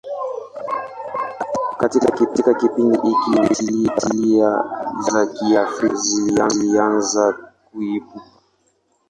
Katika kipindi hiki, tamthilia za Kiafrika zilianza kuibuka.